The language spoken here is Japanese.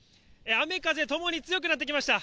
雨風共に強くなってきました。